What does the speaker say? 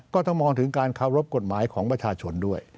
ก็ต้องมองถึงการเคารพกฎหมายของประชาชนด้วย